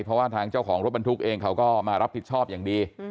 เพราะว่าทางเจ้าของรถบรรทุกเองเขาก็มารับผิดชอบอย่างดี